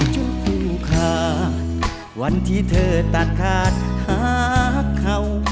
จุภูค่ะวันที่เธอตาตาหาเขา